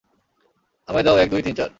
আমায় দাও এক, দুই, তিন, চার।